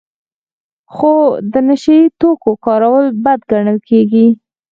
خو د نشه یي توکو کارول بد ګڼل کیږي.